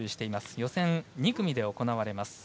予選２組で行われます。